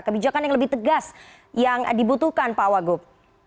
kebijakan yang lebih tegas yang dibutuhkan pak wagub